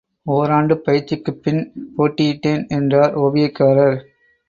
ஒராண்டுப் பயிற்சிக்குப் பின் போட்டியிட்டேன் என்றார் ஓவியக்காரர்.